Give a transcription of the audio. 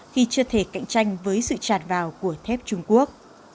khi chưa thể cạnh tranh với sự tràn vào của thép trung quốc